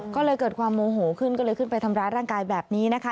ก็เลยเกิดความโมโหขึ้นก็เลยขึ้นไปทำร้ายร่างกายแบบนี้นะคะ